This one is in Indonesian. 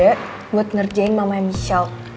aku punya ide buat ngerjain mama michelle